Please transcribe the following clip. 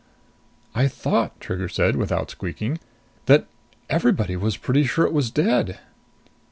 "I thought," Trigger said without squeaking, "that everybody was pretty sure it was dead."